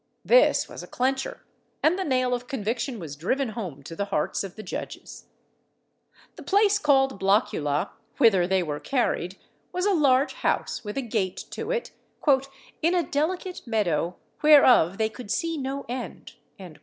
This was a clencher, and the nail of conviction was driven home to the hearts of the judges. The place called Blockula, whither they were carried, was a large house, with a gate to it, "in a delicate meadow, whereof they could see no end."